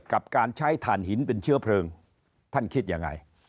กับการใช้ฐานหินเป็นเชื้อเพลิงท่านคิดยังไง